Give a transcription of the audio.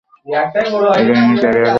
এটাই আমার ক্যারিয়ারের ব্যাপার, বুঝেছো?